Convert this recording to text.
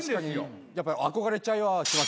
やっぱ憧れちゃいはしますよね。